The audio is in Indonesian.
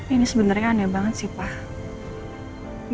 ini sebenarnya aneh banget sih pak